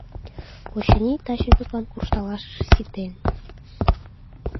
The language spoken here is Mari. Очыни, таче тудлан куржталашыже ситен.